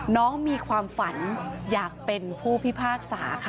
น้องมีความฝันอยากเป็นผู้พิพากษาค่ะ